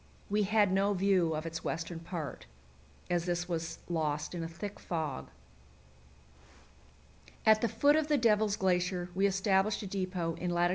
We had no view of its western part, as this was lost in a thick fog. At the foot of the Devil's Glacier we established a depot in lat.